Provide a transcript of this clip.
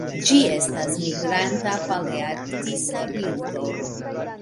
Ĝi estas migranta palearktisa birdo.